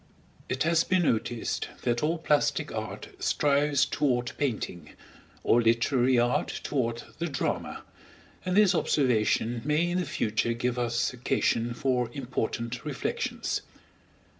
It has been noticed that all plastic art strives toward painting, all literary art toward the drama, and this observation may in the future give us occasion for important reflections.